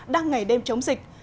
đang ngày đêm chống dịch